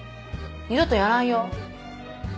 二度とやらんよ。